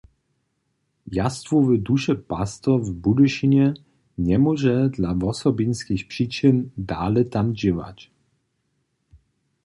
Jastwowy dušepastyr w Budyšinje njemóže dla wosobinskych přičin dale tam dźěłać.